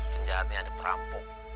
penjahatnya ada rampok